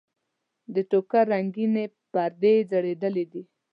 د ټوکر رنګینې پردې یې ځړېدلې دي.